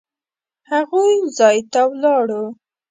هغوی ځای ته ولاړو.